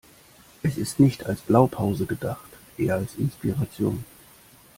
Es ist nicht als Blaupause gedacht, eher als Inspiration.